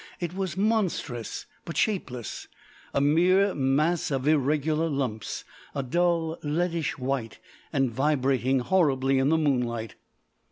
It was monstrous but shapeless a mere mass of irregular lumps, a dull leadish white, and vibrating horribly in the moonlight.